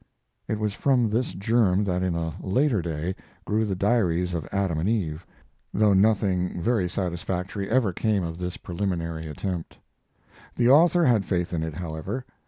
It was from this germ that in a later day grew the diaries of Adam and Eve, though nothing very satisfactory ever came of this preliminary attempt. The author had faith in it, however.